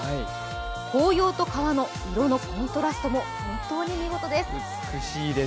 紅葉と川の色のコントラストも本当に見事です。